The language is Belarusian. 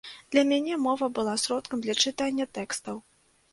Для мяне мова была сродкам для чытання тэкстаў.